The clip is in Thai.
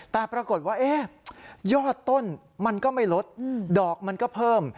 แต่ปรากฏว่ายอดต้นมันก็ไม่ลดดอกมันก็เพิ่ม